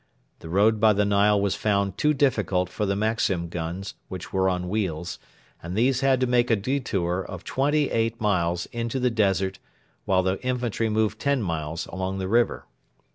The road by the Nile was found too difficult for the Maxim guns, which were on wheels, and these had to make a detour of twenty eight miles into the desert while the infantry moved ten miles along the river.